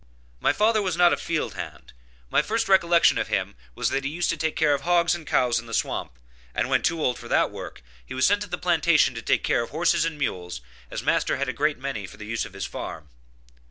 My father was not a field hand; my first recollection of him was that he used to take care of hogs and cows in the swamp, and when too old for that work he was sent to the plantation to take care of horses and mules, as master had a great many for the use of his farm.